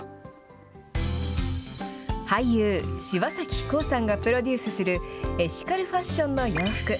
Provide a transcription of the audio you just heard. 俳優、柴咲コウさんがプロデュースするエシカルファッションの洋服。